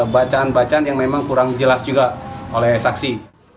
bacaan bacaan yang memang kurang jelas juga oleh saksi